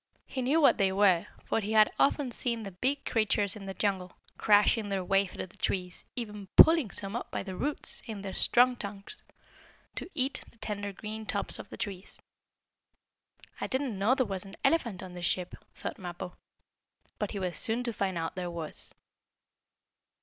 He knew what they were, for he had often seen the big creatures in the jungle, crashing their way through the trees, even pulling some up by the roots, in their strong trunks, to eat the tender green tops of the trees. "I didn't know there was an elephant on this ship," thought Mappo. But he was soon to find out there was.